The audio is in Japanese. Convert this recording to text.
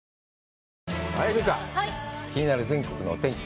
はい、留伽、気になる全国のお天気。